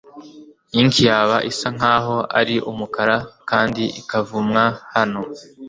Ink yaba isa nkaho ari umukara kandi ikavumwa hano